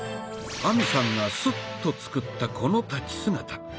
亜美さんがスッと作ったこの立ち姿。